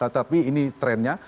tapi ini trennya